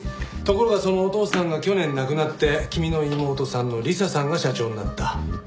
ところがそのお父さんが去年亡くなって君の妹さんの理彩さんが社長になった。